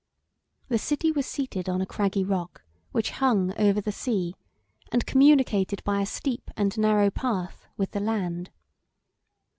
The city was seated on a craggy rock, which hung over the sea, and communicated by a steep and narrow path with the land.